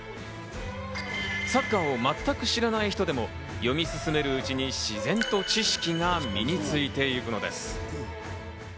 サッカーを全く知らない人でも読み進めるうちに自然と知識が身についていくのです。